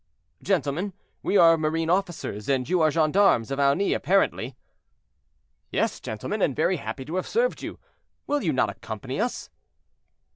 "Gentlemen, we are marine officers, and you are gendarmes of Aunis, apparently." "Yes, gentlemen, and very happy to have served you; will you not accompany us?"